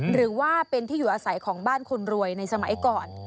หรือว่าเป็นที่อยู่อาศัยของบ้านคนรวยในสมัยก่อน